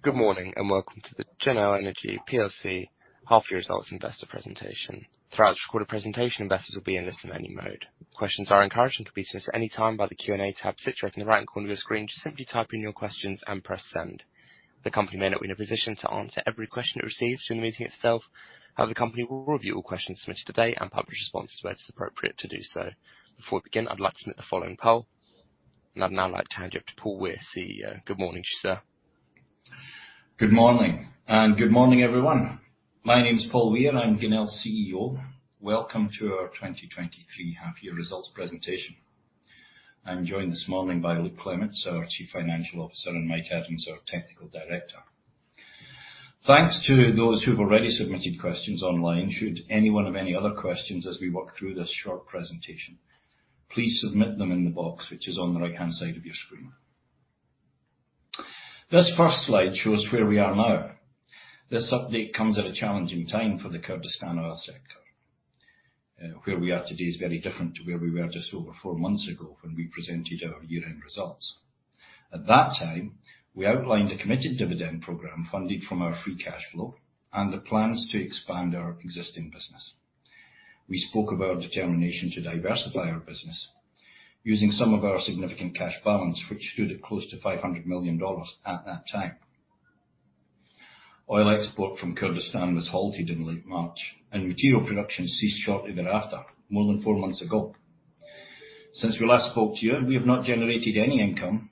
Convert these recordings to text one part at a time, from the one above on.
Good morning. Welcome to the Genel Energy plc half-year results investor presentation. Throughout this recorded presentation, investors will be in listen-only mode. Questions are encouraged and can be submitted at any time by the Q&A tab situated in the right corner of your screen. Just simply type in your questions and press Send. The company may not be in a position to answer every question it receives during the meeting itself. However, the company will review all questions submitted today and publish responses where it is appropriate to do so. Before we begin, I'd like to submit the following poll. I'd now like to hand you over to Paul Weir, CEO. Good morning, sir. Good morning, good morning, everyone. My name is Paul Weir, I'm Genel's CEO. Welcome to our 2023 half-year results presentation. I'm joined this morning by Luke Clements, our Chief Financial Officer, and Mike Adams, our Technical Director. Thanks to those who've already submitted questions online. Should anyone have any other questions as we work through this short presentation, please submit them in the box, which is on the right-hand side of your screen. This first slide shows where we are now. This update comes at a challenging time for the Kurdistan oil sector. Where we are today is very different to where we were just over four months ago when we presented our year-end results. At that time, we outlined a committed dividend program funded from our free cash flow and the plans to expand our existing business. We spoke of our determination to diversify our business using some of our significant cash balance, which stood at close to $500 million at that time. Oil export from Kurdistan was halted in late March, and material production ceased shortly thereafter, more than four months ago. Since we last spoke to you, we have not generated any income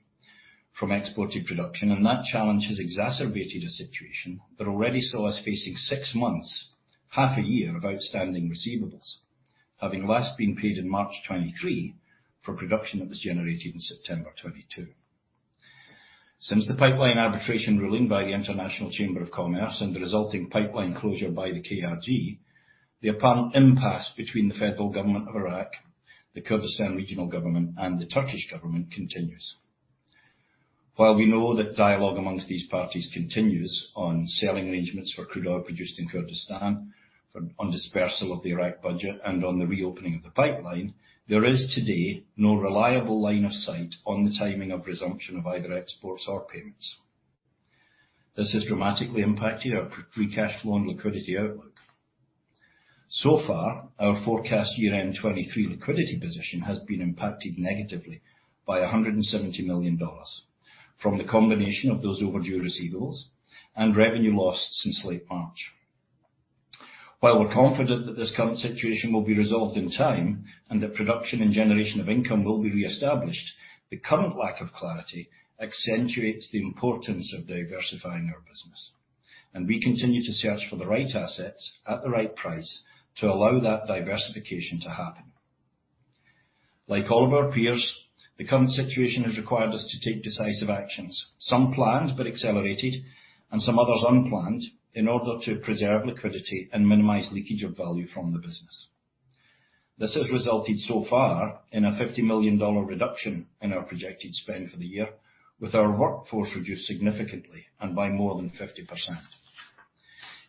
from exported production, and that challenge has exacerbated a situation that already saw us facing six months, half a year, of outstanding receivables, having last been paid in March 2023 for production that was generated in September 2022. Since the pipeline arbitration ruling by the International Chamber of Commerce and the resulting pipeline closure by the KRG, the apparent impasse between the federal government of Iraq, the Kurdistan Regional Government, and the Turkish government continues. While we know that dialogue amongst these parties continues on selling arrangements for crude oil produced in Kurdistan, on dispersal of the Iraq budget and on the reopening of the pipeline, there is today no reliable line of sight on the timing of resumption of either exports or payments. This has dramatically impacted our free cash flow and liquidity outlook. So far, our forecast year-end 2023 liquidity position has been impacted negatively by $170 million from the combination of those overdue receivables and revenue lost since late March. While we're confident that this current situation will be resolved in time and that production and generation of income will be reestablished, the current lack of clarity accentuates the importance of diversifying our business, and we continue to search for the right assets at the right price to allow that diversification to happen. Like all of our peers, the current situation has required us to take decisive actions, some planned but accelerated, and some others unplanned, in order to preserve liquidity and minimize leakage of value from the business. This has resulted so far in a $50 million reduction in our projected spend for the year, with our workforce reduced significantly and by more than 50%.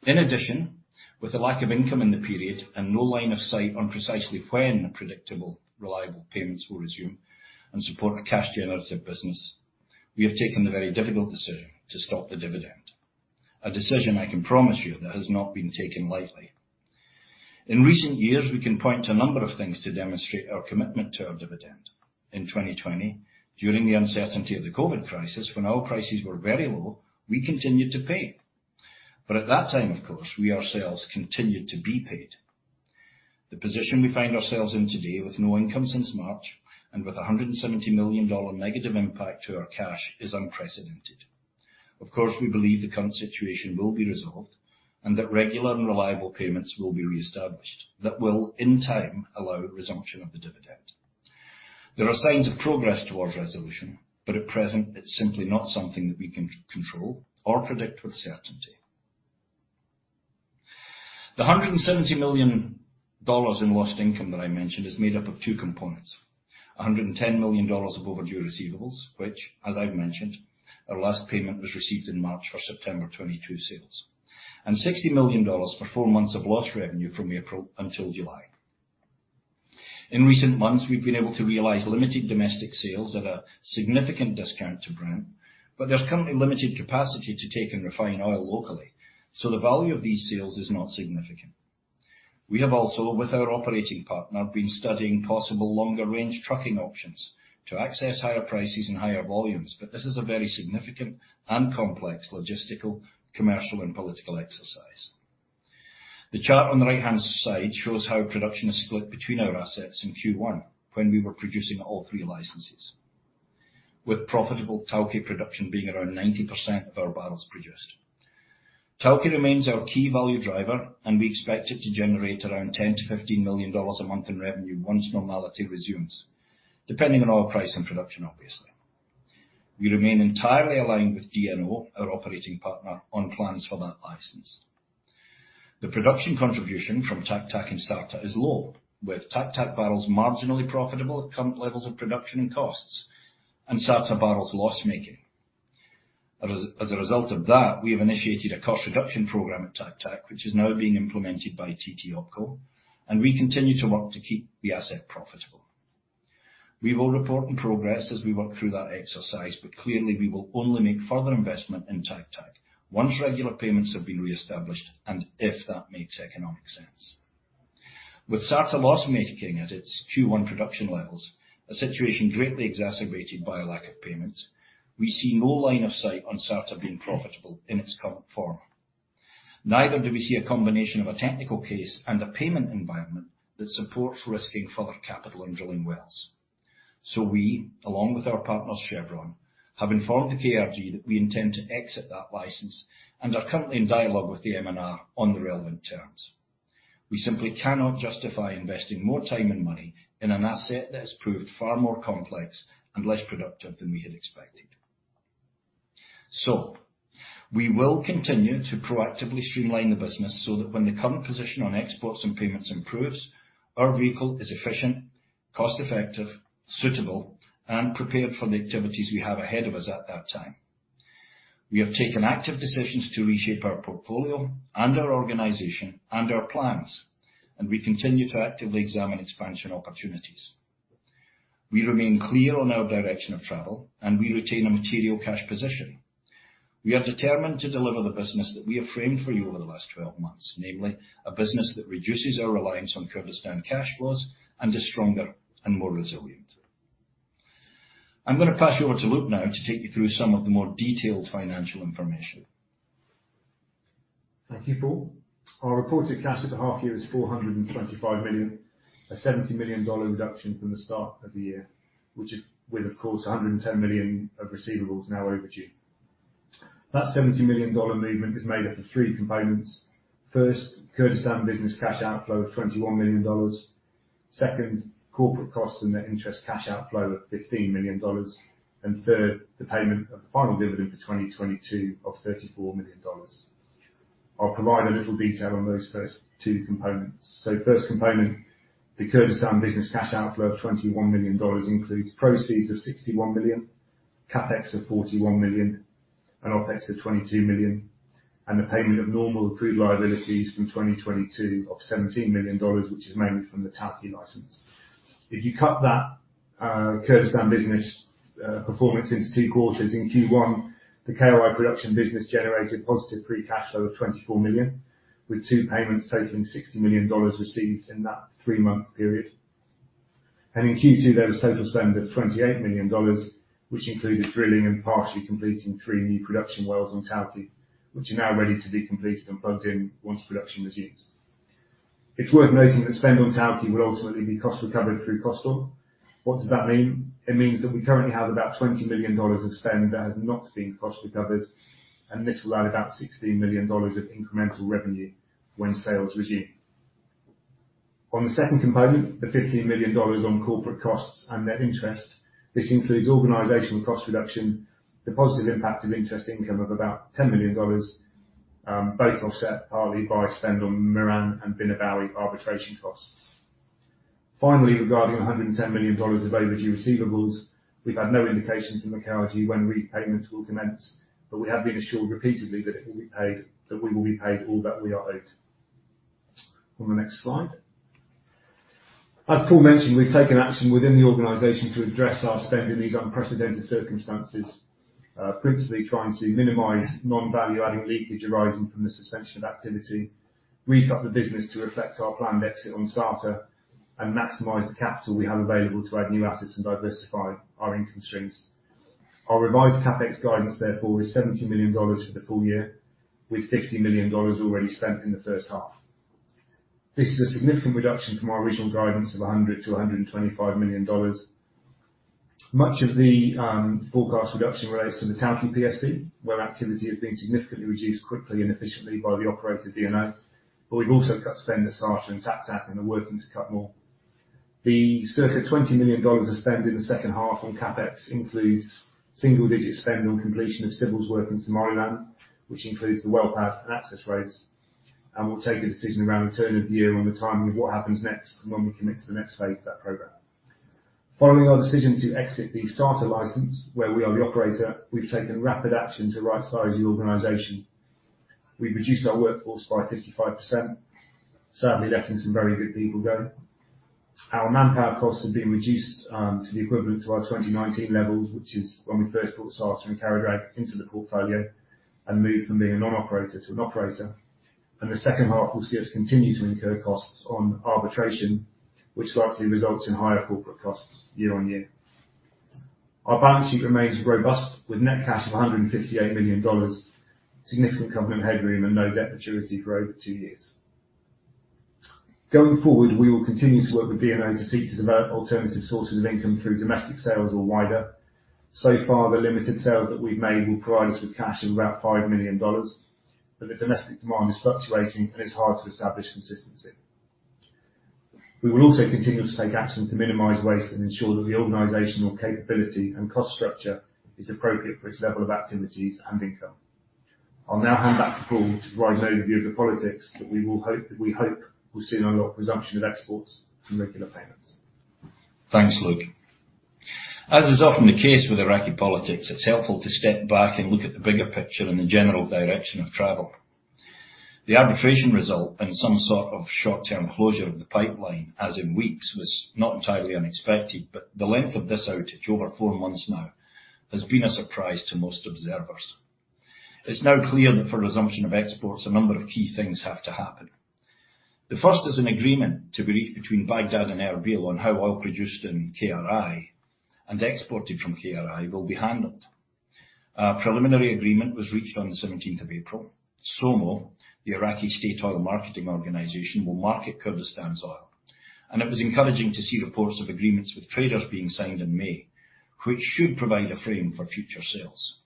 In addition, with the lack of income in the period and no line of sight on precisely when predictable, reliable payments will resume and support a cash-generative business, we have taken the very difficult decision to stop the dividend. A decision I can promise you that has not been taken lightly. In recent years, we can point to a number of things to demonstrate our commitment to our dividend. In 2020, during the uncertainty of the COVID crisis, when oil prices were very low, we continued to pay. At that time, of course, we ourselves continued to be paid. The position we find ourselves in today, with no income since March, and with a $170 million negative impact to our cash, is unprecedented. Of course, we believe the current situation will be resolved and that regular and reliable payments will be reestablished. That will, in time, allow resumption of the dividend. There are signs of progress towards resolution. At present, it's simply not something that we can control or predict with certainty. The $170 million in lost income that I mentioned is made up of two components: $110 million of overdue receivables, which, as I've mentioned, our last payment was received in March for September 2022 sales, and $60 million for four months of lost revenue from April until July. In recent months, we've been able to realize limited domestic sales at a significant discount to Brent. There's currently limited capacity to take and refine oil locally, so the value of these sales is not significant. We have also, with our operating partner, been studying possible longer-range trucking options to access higher prices and higher volumes. This is a very significant and complex logistical, commercial, and political exercise. The chart on the right-hand side shows how production is split between our assets in Q1, when we were producing all three licenses, with profitable Tawke production being around 90% of our barrels produced. Tawke remains our key value driver, and we expect it to generate around $10 million-$15 million a month in revenue once normality resumes, depending on oil price and production, obviously. We remain entirely aligned with DNO, our operating partner, on plans for that license. The production contribution from Taq Taq and Sarta is low, with Taq Taq barrels marginally profitable at current levels of production and costs, and Sarta barrels loss-making. As a result of that, we have initiated a cost reduction program at Taq Taq, which is now being implemented by TT OpCo, and we continue to work to keep the asset profitable. We will report on progress as we work through that exercise, clearly, we will only make further investment in Taq Ta once regular payments have been reestablished, and if that makes economic sense. With Sarta loss-making at its Q1 production levels, a situation greatly exacerbated by a lack of payments, we see no line of sight on Sarta being profitable in its current form. Neither do we see a combination of a technical case and a payment environment that supports risking further capital and drilling wells. We, along with our partners, Chevron, have informed the KRG that we intend to exit that license, and are currently in dialogue with the MNR on the relevant terms. We simply cannot justify investing more time and money in an asset that has proved far more complex and less productive than we had expected. We will continue to proactively streamline the business so that when the current position on exports and payments improves, our vehicle is efficient, cost-effective, suitable, and prepared for the activities we have ahead of us at that time. We have taken active decisions to reshape our portfolio, and our organization, and our plans, and we continue to actively examine expansion opportunities. We remain clear on our direction of travel, and we retain a material cash position. We are determined to deliver the business that we have framed for you over the last 12 months, namely, a business that reduces our reliance on Kurdistan cash flows and is stronger and more resilient. I'm going to pass you over to Luke now to take you through some of the more detailed financial information. Thank you, Paul. Our reported cash at the half year is $425 million, a $70 million reduction from the start of the year, which is with, of course, $110 million of receivables now overdue. That $70 million movement is made up of three components. First, Kurdistan business cash outflow of $21 million. Second, corporate costs and net interest cash outflow of $15 million. Third, the payment of the final dividend for 2022 of $34 million. I'll provide a little detail on those first two components. First component, the Kurdistan business cash outflow of $21 million, includes proceeds of $61 million, CapEx of $41 million, and OpEx of $22 million, and the payment of normal approved liabilities from 2022 of $17 million, which is mainly from the Tawke license. If you cut that Kurdistan business performance into two quarters, in Q1, the KRI production business generated positive free cash flow of $24 million, with two payments totaling $60 million received in that three-month period. In Q2, there was total spend of $28 million, which included drilling and partially completing three new production wells on Tawke, which are now ready to be completed and plugged in once production resumes. It's worth noting that spend on Tawke will ultimately be cost recovered through cost oil. What does that mean? It means that we currently have about $20 million of spend that has not been cost recovered, and this will add about $16 million of incremental revenue when sales resume. On the second component, the $15 million on corporate costs and net interest, this includes organizational cost reduction, the positive impact of interest income of about $10 million, both offset partly by spend on Miran and Bina Bawi arbitration costs. Finally, regarding $110 million of overdue receivables, we've had no indication from the KRG when repayments will commence. We have been assured repeatedly that we will be paid all that we are owed. On the next slide. As Paul mentioned, we've taken action within the organization to address our spend in these unprecedented circumstances, principally trying to minimize non-value-adding leakage arising from the suspension of activity, re-up the business to reflect our planned exit on Sarta, and maximize the capital we have available to add new assets and diversify our income streams. Our revised CapEx guidance, therefore, is $70 million for the full year, with $50 million already spent in the first half. This is a significant reduction from our original guidance of $100 million-$125 million. Much of the forecast reduction relates to the Tawke PSC, where activity has been significantly reduced quickly and efficiently by the operator, DNO. We've also cut spend on Sarta and TAAPAT and are working to cut more. The circa $20 million of spend in the second half on CapEx includes single-digit spend on completion of civils work in Somaliland, which includes the well pad and access roads, and we'll take a decision around the turn of the year on the timing of what happens next, and when we commit to the next phase of that program. Following our decision to exit the Sarta license, where we are the operator, we've taken rapid action to rightsize the organization. We've reduced our workforce by 55%, certainly letting some very good people go. Our manpower costs have been reduced to the equivalent to our 2019 levels, which is when we first brought Sarta and Qara Dagh into the portfolio and moved from being a non-operator to an operator. The second half will see us continue to incur costs on arbitration, which likely results in higher corporate costs year-on-year. Our balance sheet remains robust, with net cash of $158 million, significant covenant headroom, and no debt maturity for over two years. Going forward, we will continue to work with DNO to seek to develop alternative sources of income through domestic sales or wider. The limited sales that we've made will provide us with cash of about $5 million, but the domestic demand is fluctuating and it's hard to establish consistency. We will also continue to take action to minimize waste and ensure that the organizational capability and cost structure is appropriate for its level of activities and income. I'll now hand back to Paul to provide an overview of the politics that we hope will soon unlock resumption of exports and regular payments. Thanks, Luke. As is often the case with Iraqi politics, it's helpful to step back and look at the bigger picture and the general direction of travel. The arbitration result and some sort of short-term closure of the pipeline, as in weeks, was not entirely unexpected, but the length of this outage, over four months now, has been a surprise to most observers. It's now clear that for resumption of exports, a number of key things have to happen. The first is an agreement to be reached between Baghdad and Erbil on how oil produced in KRI and exported from KRI will be handled. A preliminary agreement was reached on the 17th of April. SOMO, the Iraqi State Oil Marketing Organization, will market Kurdistan's oil, and it was encouraging to see reports of agreements with traders being signed in May, which should provide a frame for future sales.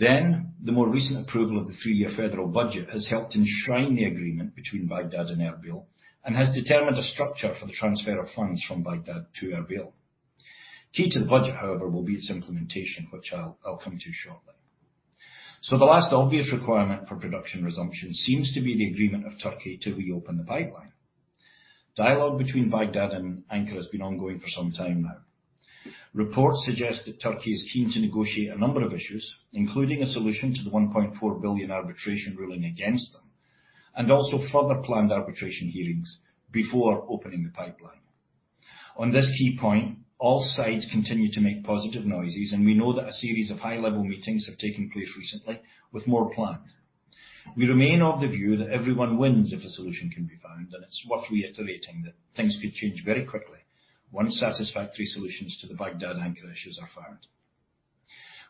The more recent approval of the three-year federal budget has helped enshrine the agreement between Baghdad and Erbil, and has determined a structure for the transfer of funds from Baghdad to Erbil. Key to the budget, however, will be its implementation, which I'll come to shortly. The last obvious requirement for production resumption seems to be the agreement of Turkey to reopen the pipeline. Dialogue between Baghdad and Ankara has been ongoing for some time now. Reports suggest that Turkey is keen to negotiate a number of issues, including a solution to the $1.4 billion arbitration ruling against them, and also further planned arbitration hearings before opening the pipeline. On this key point, all sides continue to make positive noises, and we know that a series of high-level meetings have taken place recently, with more planned. We remain of the view that everyone wins if a solution can be found. It's worth reiterating that things could change very quickly once satisfactory solutions to the Baghdad-Ankara issues are found.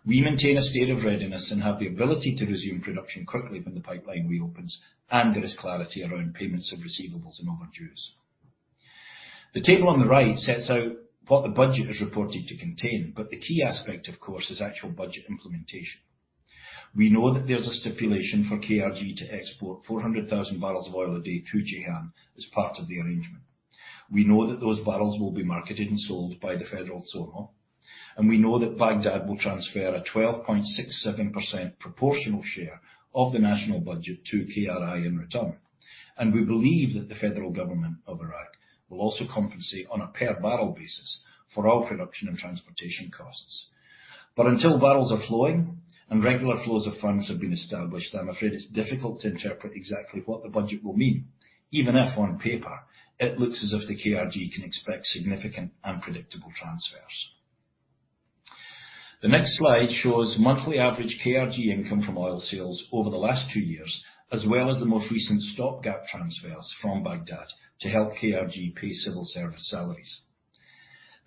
We maintain a state of readiness and have the ability to resume production quickly when the pipeline reopens and there is clarity around payments of receivables and overdues. The table on the right sets out what the budget is reported to contain. The key aspect, of course, is actual budget implementation. We know that there's a stipulation for KRG to export 400,000 barrels of oil a day through Ceyhan as part of the arrangement. We know that those barrels will be marketed and sold by the federal SOMO. We know that Baghdad will transfer a 12.67% proportional share of the national budget to KRI in return. We believe that the federal government of Iraq will also compensate on a per barrel basis for all production and transportation costs. Until barrels are flowing and regular flows of funds have been established, I'm afraid it's difficult to interpret exactly what the budget will mean, even if on paper it looks as if the KRG can expect significant and predictable transfers. The next slide shows monthly average KRG income from oil sales over the last two years, as well as the most recent stopgap transfers from Baghdad to help KRG pay civil service salaries.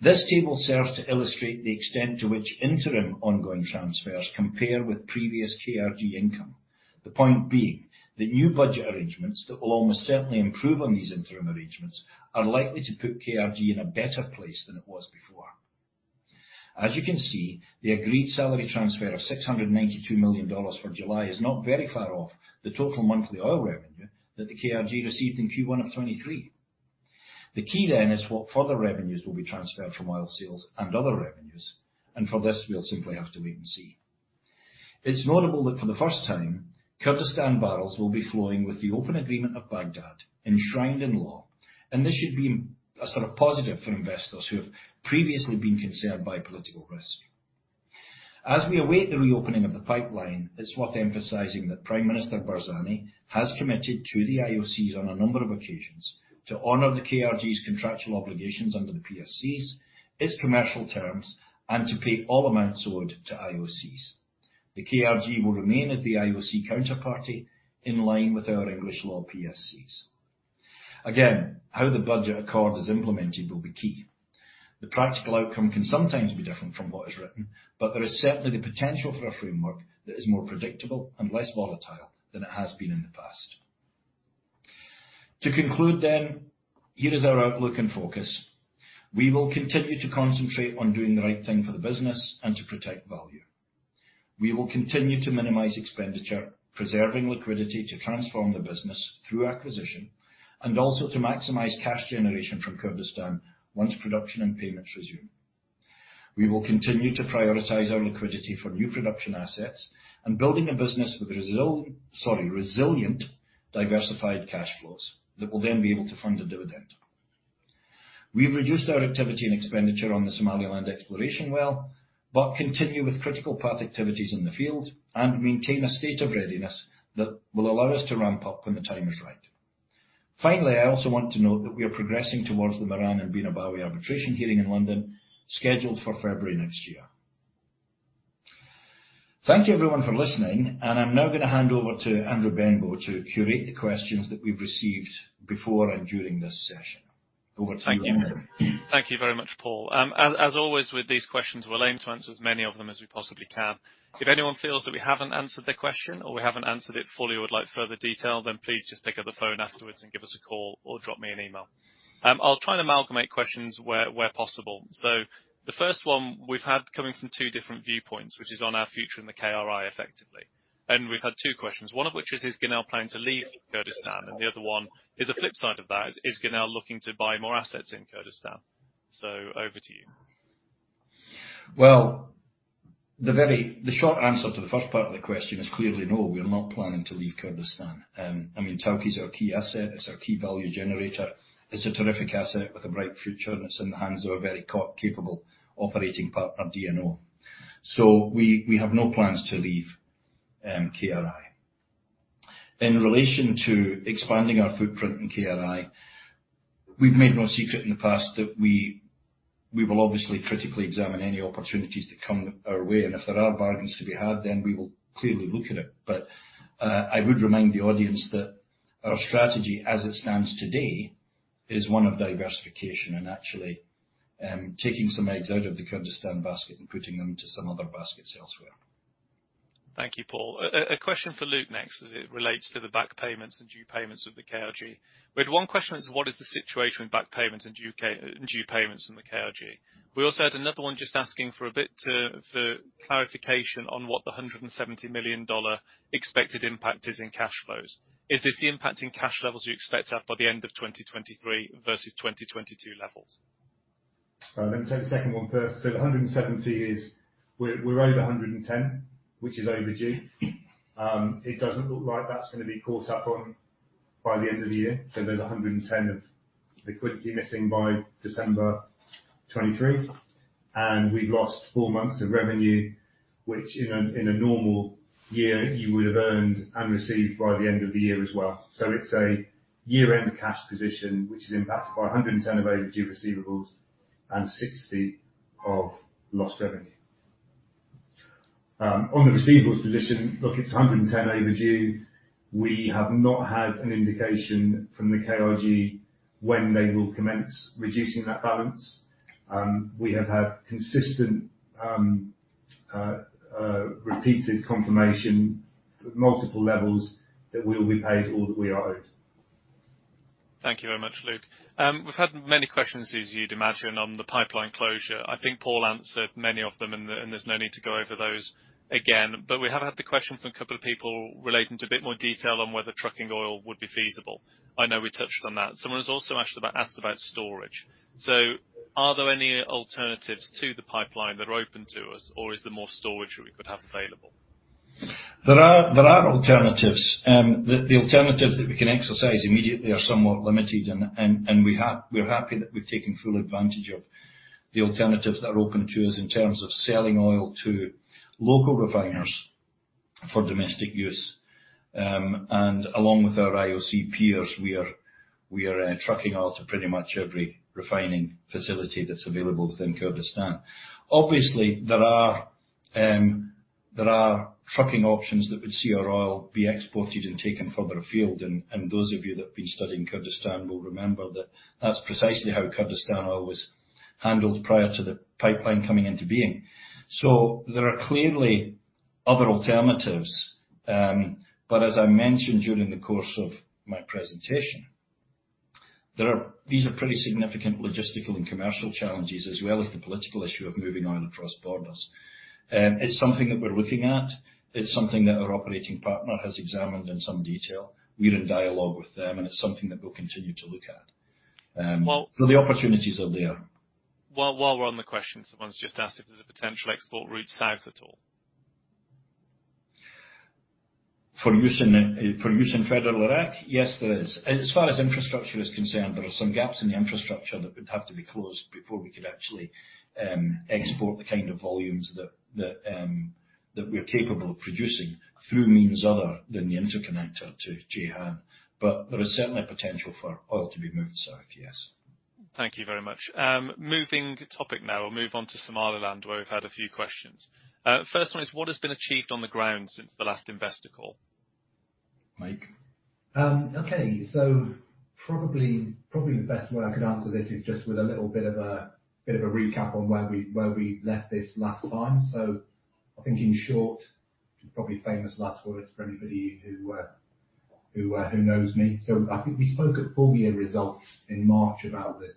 This table serves to illustrate the extent to which interim ongoing transfers compare with previous KRG income. The point being, the new budget arrangements that will almost certainly improve on these interim arrangements are likely to put KRG in a better place than it was before. As you can see, the agreed salary transfer of $692 million for July is not very far off the total monthly oil revenue that the KRG received in Q1 of 2023. The key then is what further revenues will be transferred from oil sales and other revenues. For this, we'll simply have to wait and see. It's notable that for the first time, Kurdistan barrels will be flowing with the open agreement of Baghdad, enshrined in law. This should be a sort of positive for investors who have previously been concerned by political risk. As we await the reopening of the pipeline, it's worth emphasizing that Prime Minister Barzani has committed to the IOCs on a number of occasions to honor the KRG's contractual obligations under the PSCs, its commercial terms, and to pay all amounts owed to IOCs. The KRG will remain as the IOC counterparty in line with our English law PSCs. Again, how the budget accord is implemented will be key. The practical outcome can sometimes be different from what is written, but there is certainly the potential for a framework that is more predictable and less volatile than it has been in the past. To conclude, then, here is our outlook and focus. We will continue to concentrate on doing the right thing for the business and to protect value. We will continue to minimize expenditure, preserving liquidity, to transform the business through acquisition, and also to maximize cash generation from Kurdistan once production and payments resume. We will continue to prioritize our liquidity for new production assets and building a business with Sorry, resilient, diversified cash flows that will then be able to fund a dividend. We've reduced our activity and expenditure on the Somaliland exploration well, but continue with critical path activities in the field and maintain a state of readiness that will allow us to ramp up when the time is right. Finally, I also want to note that we are progressing towards the Miran and Bina Bawi arbitration hearing in London, scheduled for February next year. Thank you, everyone, for listening, and I'm now going to hand over to Andrew Benbow to curate the questions that we've received before and during this session. Over to you, Andrew. Thank you. Thank you very much, Paul. As always, with these questions, we'll aim to answer as many of them as we possibly can. If anyone feels that we haven't answered their question or we haven't answered it fully or would like further detail, please just pick up the phone afterwards and give us a call, or drop me an email. I'll try and amalgamate questions where possible. The first one we've had coming from two different viewpoints, which is on our future in the KRI, effectively. We've had two questions, one of which is: Is Genel planning to leave Kurdistan? The other one is the flip side of that: Is Genel looking to buy more assets in Kurdistan? Over to you. Well, the very, the short answer to the first part of the question is clearly no, we are not planning to leave Kurdistan. I mean, Tawke is our key asset, it's our key value generator. It's a terrific asset with a bright future, and it's in the hands of a very capable operating partner, DNO. We, we have no plans to leave KRI. In relation to expanding our footprint in KRI, we've made no secret in the past that we, we will obviously critically examine any opportunities that come our way, and if there are bargains to be had, then we will clearly look at it. I would remind the audience that our strategy, as it stands today, is one of diversification and actually, taking some eggs out of the Kurdistan basket and putting them to some other baskets elsewhere. Thank you, Paul. A question for Luke next, as it relates to the back payments and due payments of the KRG. We had one question is: what is the situation with back payments and due and due payments in the KRG? We also had another one just asking for a bit for clarification on what the $170 million expected impact is in cash flows. Is this the impact in cash levels you expect to have by the end of 2023 versus 2022 levels? Let me take the second one first. The $170 million is we're, we're over $110 million, which is overdue. It doesn't look like that's going to be caught up on by the end of the year, so there's $110 million of liquidity missing by December 2023. We've lost four months of revenue, which in a, in a normal year, you would have earned and received by the end of the year as well. It's a year-end cash position, which is impacted by $110 million of overdue receivables and $60 million of lost revenue. On the receivables position, look, it's $110 million overdue. We have not had an indication from the KRG when they will commence reducing that balance. We have had consistent, repeated confirmation, at multiple levels, that we will be paid all that we are owed. Thank you very much, Luke. We've had many questions, as you'd imagine, on the pipeline closure. I think Paul answered many of them, and, and there's no need to go over those again. We have had the question from a couple of people relating to a bit more detail on whether trucking oil would be feasible. I know we touched on that. Someone has also asked about, asked about storage. Are there any alternatives to the pipeline that are open to us, or is there more storage that we could have available? There are alternatives. The alternatives that we can exercise immediately are somewhat limited and we're happy that we've taken full advantage of the alternatives that are open to us in terms of selling oil to local refiners for domestic use. Along with our IOC peers, we are trucking oil to pretty much every refining facility that's available within Kurdistan. Obviously, there are trucking options that would see our oil be exported and taken further afield. Those of you that have been studying Kurdistan will remember that that's precisely how Kurdistan oil was handled prior to the pipeline coming into being. There are clearly other alternatives. As I mentioned during the course of my presentation, these are pretty significant logistical and commercial challenges, as well as the political issue of moving oil across borders. It's something that we're looking at. It's something that our operating partner has examined in some detail. We're in dialogue with them, and it's something that we'll continue to look at. Well- The opportunities are there. While we're on the questions, someone's just asked if there's a potential export route south at all. For use in, for use in federal Iraq? Yes, there is. As far as infrastructure is concerned, there are some gaps in the infrastructure that would have to be closed before we could actually export the kind of volumes that we're capable of producing through means other than the interconnector to Ceyhan. There is certainly potential for oil to be moved south, yes. Thank you very much. Moving topic now, or move on to Somaliland, where we've had a few questions. First one is: What has been achieved on the ground since the last investor call? Mike? Okay. Probably, probably the best way I could answer this is just with a little bit of a recap on where we left this last time. I think, in short, probably famous last words for anybody who knows me. I think we spoke at full year results in March about the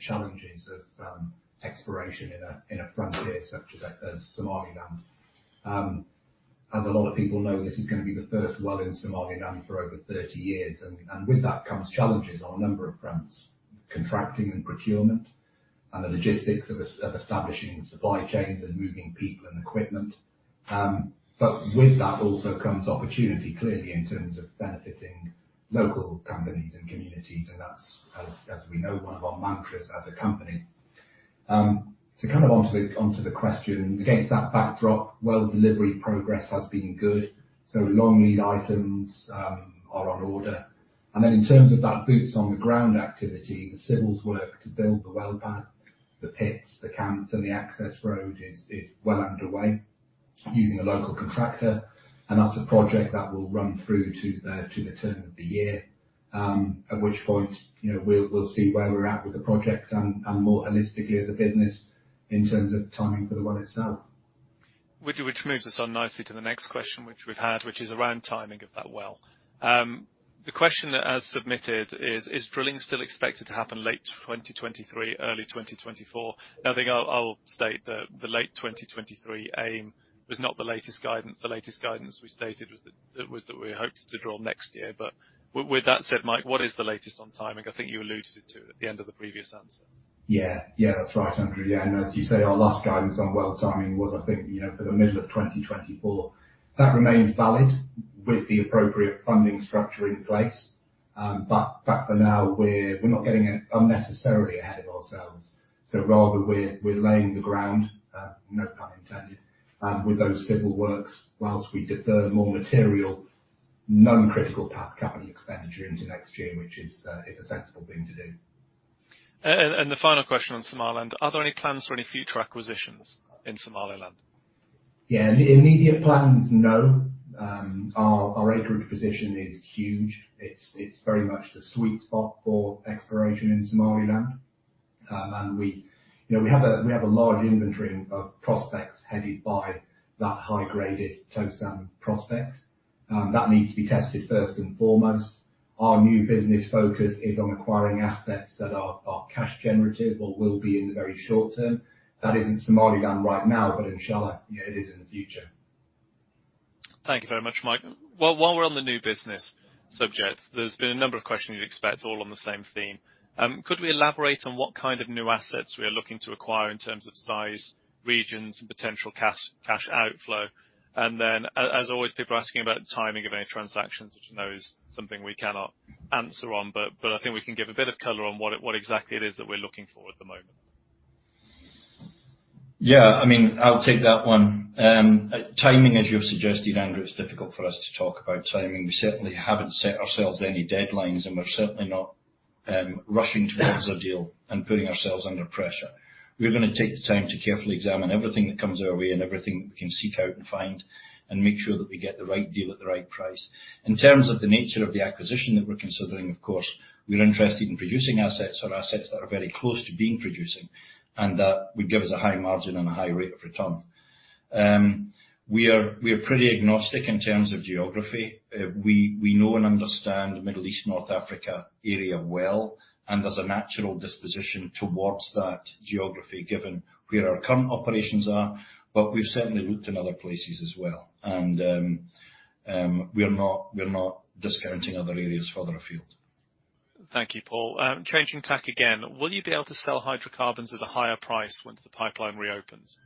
challenges of exploration in a frontier such as Somaliland. As a lot of people know, this is going to be the first well in Somaliland for over 30 years, and with that comes challenges on a number of fronts: contracting and procurement, and the logistics of establishing supply chains and moving people and equipment. With that also comes opportunity, clearly, in terms of benefiting local companies and communities, and that's, as, as we know, one of our mantras as a company. Kind of onto the, onto the question, against that backdrop, well delivery progress has been good, long lead items are on order. Then in terms of that boots on the ground activity, the civils work to build the well pad, the pits, the camps, and the access road is well underway using a local contractor, and that's a project that will run through to the turn of the year. At which point, you know, we'll, we'll see where we're at with the project and more holistically as a business in terms of timing for the well itself. Which, which moves us on nicely to the next question which we've had, which is around timing of that well. The question that as submitted is, is drilling still expected to happen late 2023, early 2024? I think I'll, I'll state that the late 2023 aim was not the latest guidance. The latest guidance we stated was that, it was that we hoped to drill next year. With that said, Mike, what is the latest on timing? I think you alluded to it at the end of the previous answer. Yeah. Yeah, that's right, Andrew. Yeah. As you say, our last guidance on well timing was, I think, you know, for the middle of 2024. That remains valid with the appropriate funding structure in place. For now, we're, we're not getting it unnecessarily ahead of ourselves. Rather, we're, we're laying the ground, no pun intended, with those civil works, whilst we defer more material, non-critical capital expenditure into next year, which is, is a sensible thing to do. The final question on Somaliland: Are there any plans for any future acquisitions in Somaliland? Yeah, immediate plans, no. Our acreage position is huge. It's very much the sweet spot for exploration in Somaliland. We, you know, we have a large inventory of prospects headed by that high-graded Toosan prospect. That needs to be tested first and foremost. Our new business focus is on acquiring assets that are cash generative or will be in the very short term. That isn't Somaliland right now, but inshallah, it is in the future. Thank you very much, Mike. Well, while we're on the new business subject, there's been a number of questions you'd expect, all on the same theme. Could we elaborate on what kind of new assets we are looking to acquire in terms of size, regions, and potential cash, cash outflow? As, as always, people are asking about the timing of any transactions, which I know is something we cannot answer on, but, but I think we can give a bit of color on what it-- what exactly it is that we're looking for at the moment. Yeah, I mean, I'll take that one. Timing, as you have suggested, Andrew, is difficult for us to talk about timing. We certainly haven't set ourselves any deadlines, and we're certainly not rushing towards a deal and putting ourselves under pressure. We're gonna take the time to carefully examine everything that comes our way and everything that we can seek out and find, and make sure that we get the right deal at the right price. In terms of the nature of the acquisition that we're considering, of course, we're interested in producing assets or assets that are very close to being producing, and that would give us a high margin and a high rate of return. We are, we are pretty agnostic in terms of geography. We, we know and understand the Middle East, North Africa area well, and there's a natural disposition towards that geography, given where our current operations are. We've certainly looked in other places as well, and we are not, we're not discounting other areas further afield. Thank you, Paul. Changing tack again. Will you be able to sell hydrocarbons at a higher price once the pipeline reopens?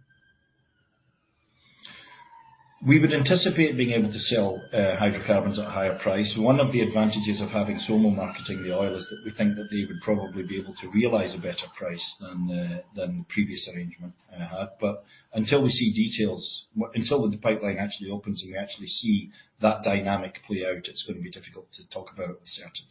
We would anticipate being able to sell hydrocarbons at a higher price. One of the advantages of having SOMO marketing the oil is that we think that they would probably be able to realize a better price than the previous arrangement had. Until we see details, until the pipeline actually opens, and we actually see that dynamic play out, it's going to be difficult to talk about with certainty.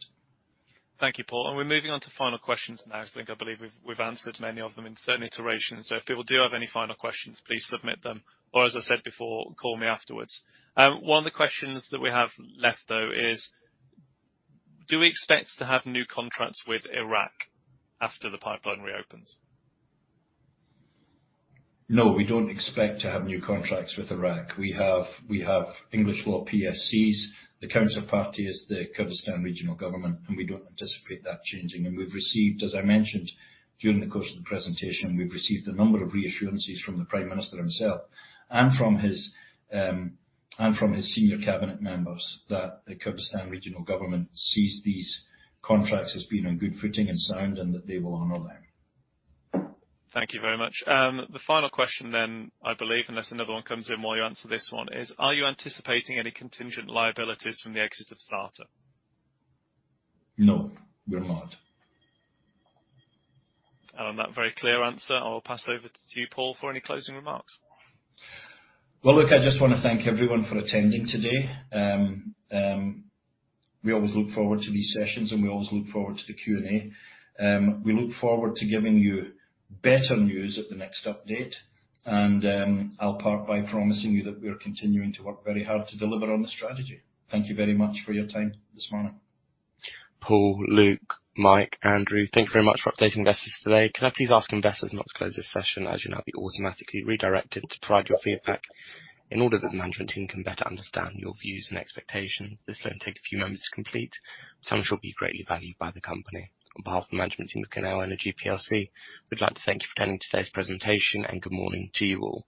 Thank you, Paul. We're moving on to final questions now, because I think, I believe we've, we've answered many of them in certain iterations. If people do have any final questions, please submit them, or as I said before, call me afterwards. One of the questions that we have left, though, is: Do we expect to have new contracts with Iraq after the pipeline reopens? No, we don't expect to have new contracts with Iraq. We have, we have English law PSCs. The counterparty is the Kurdistan Regional Government, we don't anticipate that changing. We've received, as I mentioned, during the course of the presentation, we've received a number of reassurances from the Prime Minister himself and from his, and from his senior cabinet members, that the Kurdistan Regional Government sees these contracts as being on good footing and sound, and that they will honor them. Thank you very much. The final question then, I believe, unless another one comes in while you answer this one, is: Are you anticipating any contingent liabilities from the exit of Sarta? No, we're not. On that very clear answer, I will pass over to you, Paul, for any closing remarks. Well, look, I just want to thank everyone for attending today. We always look forward to these sessions, and we always look forward to the Q&A. We look forward to giving you better news at the next update, and, I'll part by promising you that we are continuing to work very hard to deliver on the strategy. Thank you very much for your time this morning. Paul, Luke, Mike, Andrew, thank you very much for updating investors today. Can I please ask investors not to close this session, as you'll now be automatically redirected to provide your feedback, in order that the management team can better understand your views and expectations. This will only take a few moments to complete, but some shall be greatly valued by the company. On behalf of the management team at Genel Energy plc, we'd like to thank you for attending today's presentation, and good morning to you all.